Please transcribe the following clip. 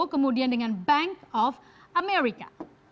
kemudian dengan bank of america